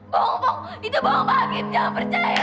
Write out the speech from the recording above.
bungk bungk itu bongk banget jangan percaya